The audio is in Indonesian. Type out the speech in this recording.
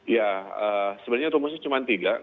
ya sebenarnya rumusnya cuma tiga